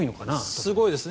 すごいですね。